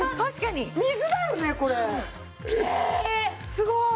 すごーい！